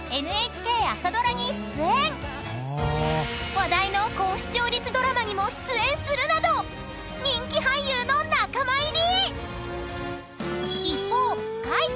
［話題の高視聴率ドラマにも出演するなど人気俳優の仲間入り！］